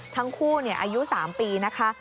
ทั้งคู่เนี่ยอายุ๓ปีนะคะ